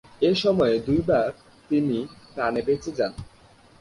এ সময়ে দুইবার তিনি প্রাণে বেঁচে যান।